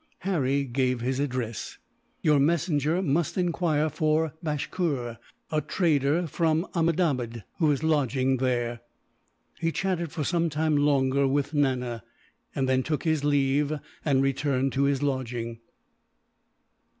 Harry gave his address. "Your messenger must enquire for Bhaskur, a trader from Ahmedabad, who is lodging there." He chatted for some time longer with Nana, and then took his leave and returned to his lodging.